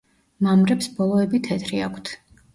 მამრებს ბოლოები თეთრი აქვთ.